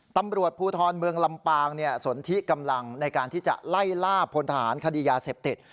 ตำรวจภูทรเมืองลำปางสนทิกำลังในการที่จะไล่ล่าพลทหารคดียาเสพติด